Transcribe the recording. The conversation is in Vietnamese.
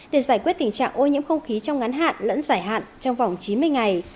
để giải quyết tình trạng ô nhiễm không khí trong ngắn hạn lẫn giải hạn trong vòng chín mươi ngày